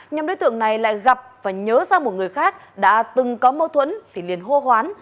nhóm đối tượng này lại gặp và nhớ ra một người khác đã từng có mâu thuẫn thì liền hô hoán